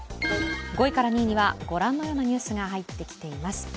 ５位から２位にはご覧のようなニュースが入ってきています。